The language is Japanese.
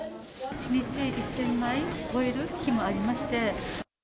１日１０００枚を超える日もありまして。